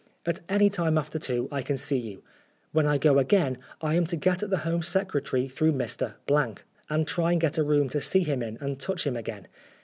At any time after two I can see you. When I go again, I am to get at the Home Secretary through Mr. and try and get a room to see him in and touch him again.